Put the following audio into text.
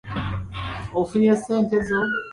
Ofunye ssente zo?